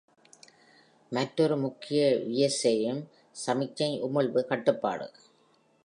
மற்றொரு முக்கிய விsஹயம் சமிக்ஞை உமிழ்வு கட்டுப்பாடு.